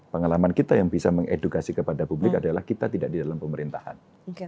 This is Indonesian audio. pengalaman kita yang bisa mengedukasi kepada publik adalah kita tidak di dalam pemerintahan